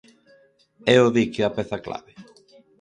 É o dique a peza clave?